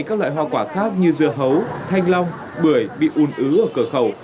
các loại hoa quả khác như dưa hấu thanh long bưởi bị un ứ ở cửa khẩu